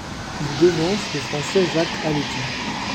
Il devance le Français Jacques Aletti.